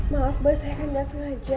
maaf buat saya kan gak sengaja